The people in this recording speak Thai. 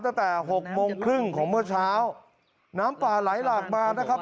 หกโมงครึ่งของเมื่อเช้าน้ำป่าไหลหลากมานะครับ